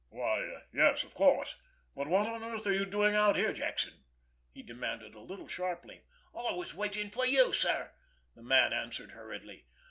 "Why yes, of course. But what on earth are you doing out here, Jackson?" he demanded a little sharply. "I was waiting for you, sir," the man answered hurriedly.